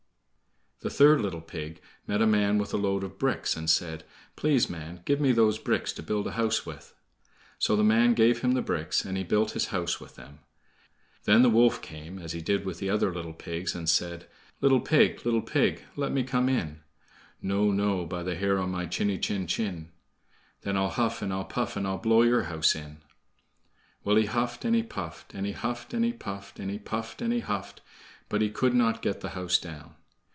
The third little pig met a man with a load of bricks, and said: "Please, man, give me those bricks to build a house with." So the man gave him the bricks, and he built his house with them. Then the wolf came, as he did to the other little pigs, and said: "Little pig, little pig, let me come in." "No, no, by the hair on my chiny chin chin." "Then I'll huff, and I'll puff, and I'll blow your house in." Well, he huffed, and he puffed, and he huffed and he puffed, and he puffed and he huffed; but he could not get the house down.